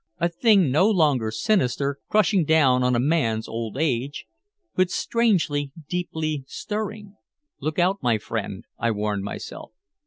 A thing no longer sinister, crushing down on a man's old age but strangely deeply stirring. "Look out, my friend," I warned myself.